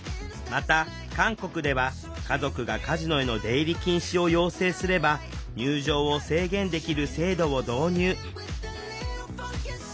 また韓国では家族がカジノへの出入り禁止を要請すれば入場を制限できる制度を導入